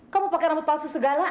kamu mau pakai rambut palsu segala